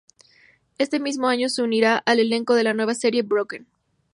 Ese mismo año se unirá al elenco de la nueva serie "Broken".